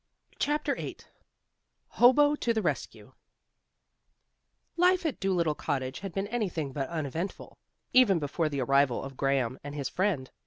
CHAPTER VIII HOBO TO THE RESCUE Life at Dolittle Cottage had been anything but uneventful, even before the arrival of Graham and his friend.